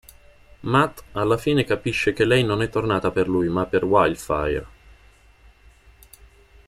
Matt alla fine capisce che lei non è tornata per lui ma per Wildfire.